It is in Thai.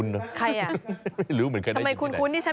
ไม่รู้เหมือนใครได้อยู่ที่ไหน